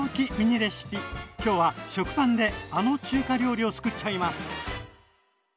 きょうは食パンであの中華料理をつくっちゃいます！